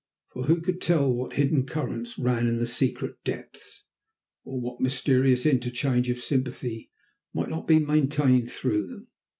For who could tell what hidden currents ran in the secret depths, or what mysterious interchange of sympathy might not be maintained through them?